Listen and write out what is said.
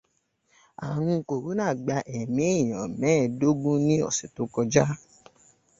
Àrùn kòróná gba ẹ̀mí èèyàn mẹ́ẹ̀dógùn ní ọ̀sẹ̀ tó kọjá.